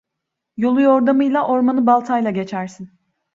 Yolu yordamıyla, ormanı baltayla geçersin.